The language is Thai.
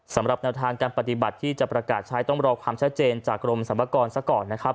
สำหรับแนวทางการปฏิบัติที่จะประกาศใช้ต้องรอความชัดเจนจากกรมสรรพากรซะก่อนนะครับ